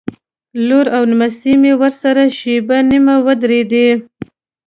لور او نمسۍ مې ورسره شېبه نیمه ودرېدې.